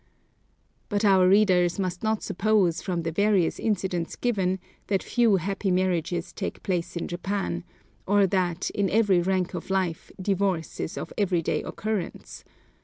But our readers must not suppose, from the various incidents given, that few happy marriages take place in Japan, or that, in every rank of life, divorce is of every day occurrence.